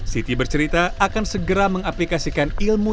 siti bercerita akan segera mengaplikasikan ilmu